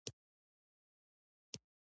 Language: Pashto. استاد د زده کوونکي استعداد راویښوي.